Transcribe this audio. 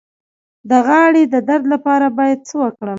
د غاړې د درد لپاره باید څه وکړم؟